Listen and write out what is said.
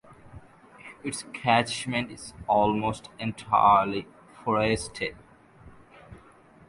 Its catchment is almost entirely forested.